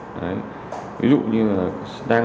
ví dụ như là